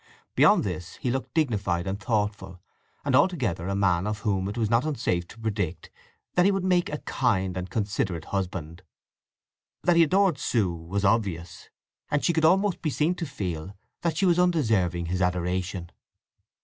Beyond this he looked dignified and thoughtful, and altogether a man of whom it was not unsafe to predict that he would make a kind and considerate husband. That he adored Sue was obvious; and she could almost be seen to feel that she was undeserving his adoration.